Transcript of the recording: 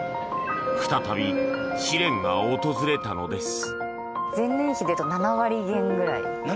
再び試練が訪れたのです。